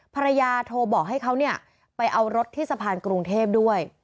ภรรยาโทรบอกให้เขาไปเอารถที่สะพานกรุงเทพด้วย